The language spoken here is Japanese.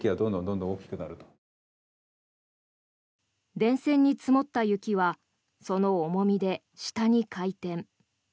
電線に積もった雪はその重みで下に回転。